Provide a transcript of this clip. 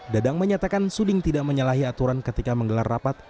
dadang menyatakan suding tidak menyalahi aturan ketika menggelar rapat